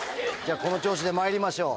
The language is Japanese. この調子でまいりましょう。